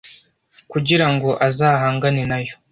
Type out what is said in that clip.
kugira ngo azahangane nayo